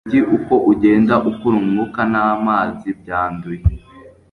umujyi uko ugenda ukura, umwuka n'amazi byanduye